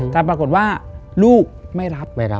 แต่ปรากฏว่าลูกไม่รับ